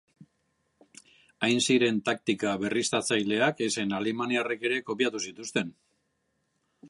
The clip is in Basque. Hain ziren taktika berriztatzaileak ezen alemaniarrek ere kopiatu zituzten.